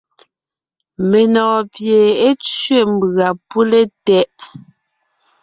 Menɔ̀ɔn pie é tsẅé mbʉ̀a pʉ́le tɛʼ.